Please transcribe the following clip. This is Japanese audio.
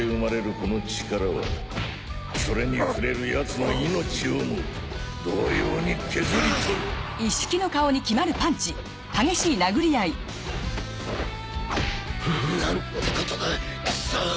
この力はそれに触れるヤツの命をも同様に削りとるなんてことだクソ。